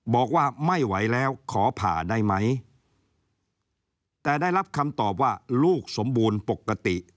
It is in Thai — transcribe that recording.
บอกว่าไม่ไหวแล้วขอผ่าได้ไหมแต่ได้รับคำตอบว่าลูกสมบูรณ์ปกติ